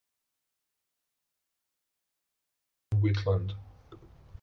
He was Abbot of the Cistercian Abbey of Whitland.